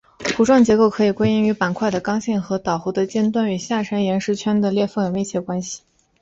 弧状结构可以归因于板块的刚性和岛弧的尖端与下沉岩石圈的裂缝有密切关系。